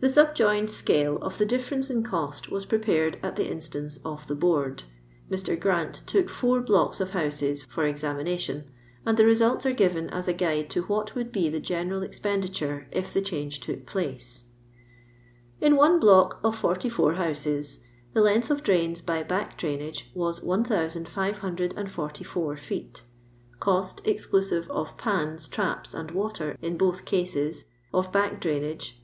The subjoined scale of the difference in cost waa prepared at the instance of the Board. Mr. Grant took four blocks of houses for exa> mination, and the results are given as a guide to what would be the general expenditure if the change took place :—In one block of 44 houses — The length of drains by back drainage waa 1544 feet Cost (exclusive of pans, traps, and water in both cases) of back drainage, 83